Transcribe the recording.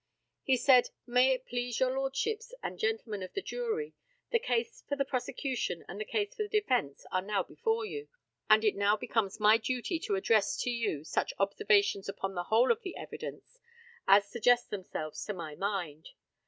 He said: May it please your lordships and gentlemen of the jury, the case for the prosecution and the case for the defence are now before you, and it now becomes my duty to address to you such observations upon the whole of the evidence as suggest themselves to my mind.